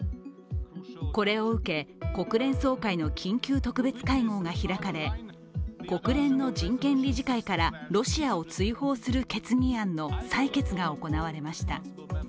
これを受け、国連総会の緊急特別会合が開かれ国連の人権理事会からロシアを追放する決議案の採決が行われました。